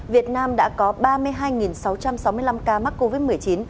việt nam đã có ba mươi hai sáu trăm sáu mươi năm ca mắc covid một mươi chín